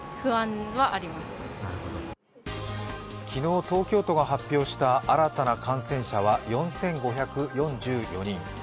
昨日、東京都が発表した新たな感染者は４５４４人。